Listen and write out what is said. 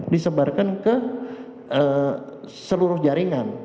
disebarkan ke seluruh jaringan